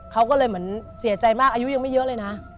เขาก็เลยเหมือนเสียใจมากอายุยังไม่เยอะเลยนะ